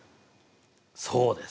そうです。